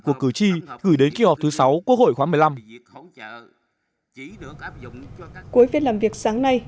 của cử tri gửi đến kỳ họp thứ sáu quốc hội khóa một mươi năm cuối phiên làm việc sáng nay